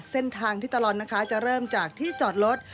เส้นทางที่ตลอดนะคะจะเริ่มจากที่จอดรถ